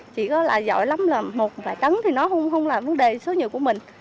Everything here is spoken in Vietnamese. giỏi lắm là một vài tấn thì nó không là vấn đề số nhiều của mình